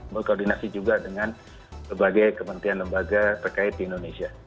berkoordinasi juga dengan kebanyakan kepentingan lembaga terkait di indonesia